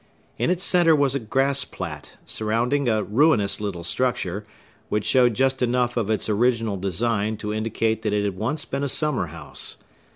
In its centre was a grass plat, surrounding a ruinous little structure, which showed just enough of its original design to indicate that it had once been a summer house.